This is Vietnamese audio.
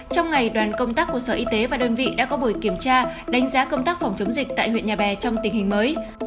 trong ngày đoàn công tác của sở y tế và đơn vị đã có buổi kiểm tra đánh giá công tác phòng chống dịch tại huyện nhà bè trong tình hình mới